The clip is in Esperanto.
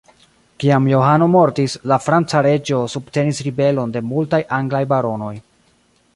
Kiam Johano mortis, la franca reĝo subtenis ribelon de multaj anglaj baronoj.